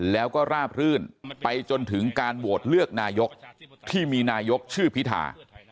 แล้วก็ราบรื่นไปจนถึงการโหวตเลือกนายกที่มีนายกชื่อพิธา